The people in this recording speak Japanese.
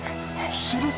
すると。